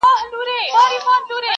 خلك پوه سول چي خبره د قسمت ده!!